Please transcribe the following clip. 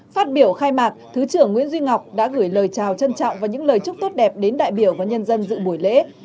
phát biểu khai mạc thứ trưởng nguyễn duy ngọc đã gửi lời chào trân trọng và những lời chúc tốt đẹp đến đại biểu và nhân dân dự buổi lễ